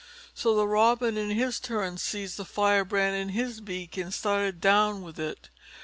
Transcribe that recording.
So the Robin in his turn seized the firebrand in his beak and started down with it.